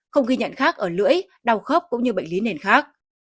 không ghi nhận khác ở lưỡi đau khớp cũng như bệnh lý nền khác